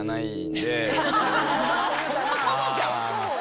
そもそもじゃん。